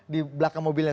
di belakang mobilnya